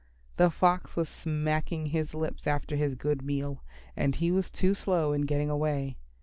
The Fox was smacking his lips after his good meal, and he was too slow in getting away.